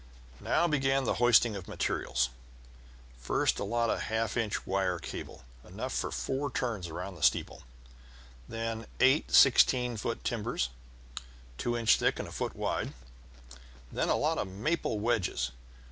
"Now began the hoisting of materials; first a lot of half inch wire cable, enough for four turns around the steeple, then eight sixteen foot timbers, two inches thick and a foot wide, then a lot of maple wedges.